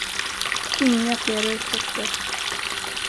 Inga fler ursäkter.